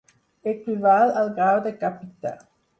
Equival al grau de capità.